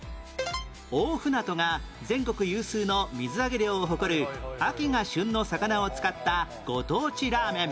大船渡が全国有数の水揚げ量を誇る秋が旬の魚を使ったご当地ラーメン